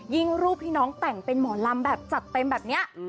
รูปที่น้องแต่งเป็นหมอลำแบบจัดเต็มแบบนี้